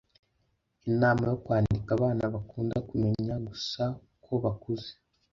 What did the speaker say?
inama yo kwandika abana bakunda kumenya gusa ko bakuze